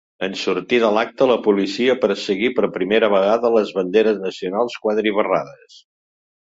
En sortir de l'acte, la policia perseguí, per primera vegada, les banderes nacionals quadribarrades.